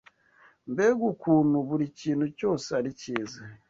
Mbega ukuntu buri kintu cyose ari cyiza!